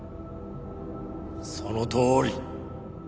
そのとおり！